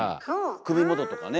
首元とかね。